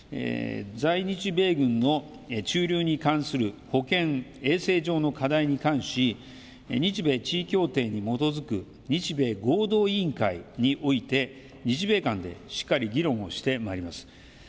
在日米軍の駐留に関する保健衛生上の課題に対し日米地位協定に基づく日米合同委員会において日米間でしっかり議論をしてまいります。